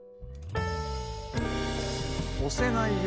「おせないよ」。